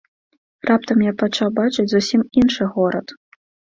Раптам я пачаў бачыць зусім іншы горад!